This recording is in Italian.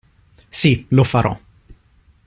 Sì, lo farò.